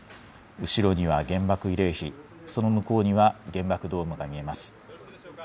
後ろには原爆慰霊碑、その向こうには原爆ドームが見えます。